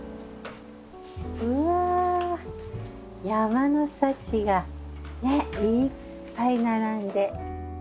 うわぁ山の幸がねいっぱい並んで。